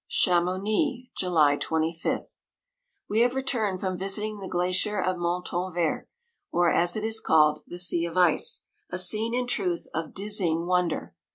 164 Chamouni, July 25th. We have returned from visiting the glacier of Montanvert, or as it is called, the Sea of Ice, a scene in truth of diz zying wonder.